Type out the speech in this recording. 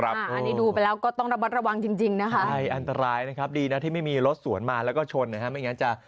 ไม่งั้นจะเสียหายกว่านี้